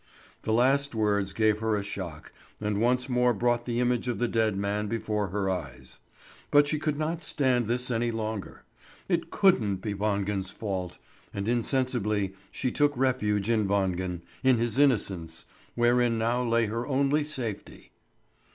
The last words gave her a shock, and once more brought the image of the dead man before her eyes. But she could not stand this any longer. It couldn't be Wangen's fault. And insensibly she took refuge in Wangen, in his innocence, wherein now lay her only safety.